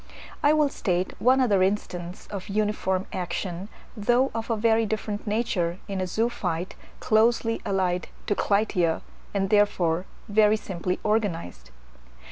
I will state one other instance of uniform action, though of a very different nature, in a zoophyte closely allied to Clytia, and therefore very simply organized.